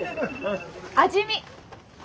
味見！